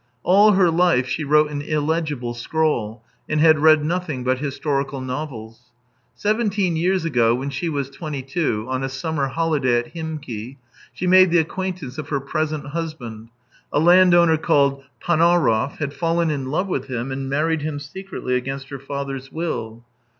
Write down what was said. All her life she wrote an illegible scrawl, and had read nothing but historical novels. Seventeen years ago, when she was twenty two, on a summer holiday at Himki, she made the acquaintance of her present husband, a landowner called Panaurov, had fallen in love with him, and married him secre'tly against her father's will.